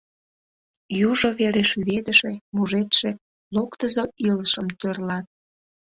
Южо вере шӱведыше, мужедше, локтызо илышым «тӧрлат».